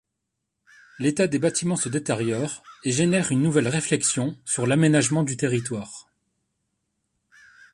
L'état des bâtiments se détériore et génère une nouvelle réflexion sur l'aménagement du terrirtoire.